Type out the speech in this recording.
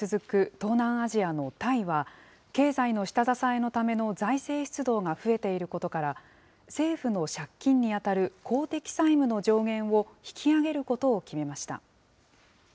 東南アジアのタイは、経済の下支えのための財政出動が増えていることから、政府の借金に当たる公的債務の上限を引き上げることを決めました。